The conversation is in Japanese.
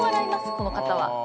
この方は。